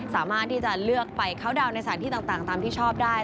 สามารถที่จะเลือกไปเข้าดาวน์ในสถานที่ต่างตามที่ชอบได้